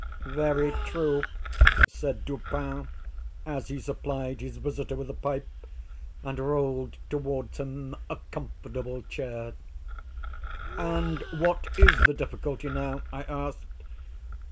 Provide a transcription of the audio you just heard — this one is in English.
"Very true," said Dupin, as he supplied his visitor with a pipe, and rolled towards him a comfortable chair. "And what is the difficulty now?" I asked.